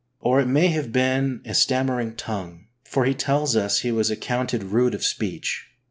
Or it may have been a stammering tongue, for he tells us he was accounted rude of speech.